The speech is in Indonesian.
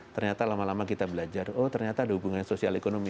ternyata lama lama kita belajar oh ternyata ada hubungannya sosial ekonomi